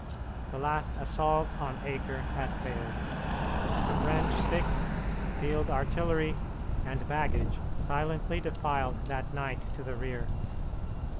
The last assault on Acre had failed. The French sick, field artillery, and baggage silently defiled that night to the rear.